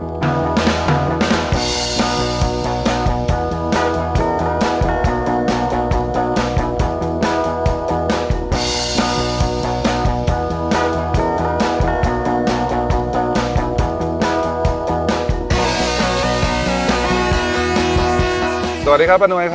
สวัสดีครับป้านุ้ยครับ